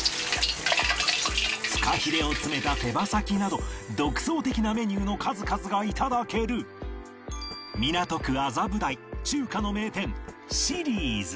フカヒレを詰めた手羽先など独創的なメニューの数々が頂ける港区麻布台中華の名店 Ｓｅｒｉｅｓ